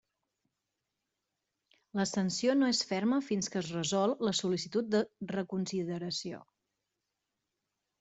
La sanció no és ferma fins que es resol la sol·licitud de reconsideració.